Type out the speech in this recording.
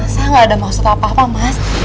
saya nggak ada maksud apa apa mas